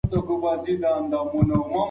زده کړې ته د لاسرسي لپاره باید هڅه وسي.